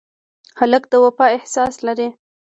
هلک د وفا احساس لري.